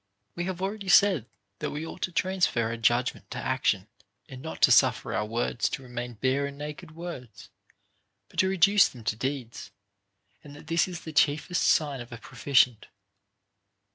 14. We have already said that we ought to transfer our judgment to action, and not to suffer our words to remain bare and naked words, but to reduce them to deeds ; and that this is the chiefest sign of a proficient.